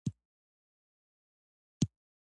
انکشاف یافته یا د پرمختګ په حال هیوادونه دي.